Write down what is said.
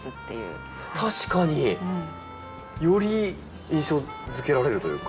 確かに。より印象づけられるというか。